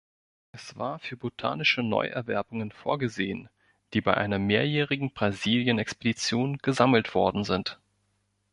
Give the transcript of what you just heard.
Es war für botanische Neuerwerbungen vorgesehen, die bei einer mehrjährigen Brasilien-Expedition gesammelt worden sind.